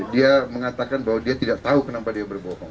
dia mengatakan bahwa dia tidak tahu kenapa dia berbohong